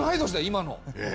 今の。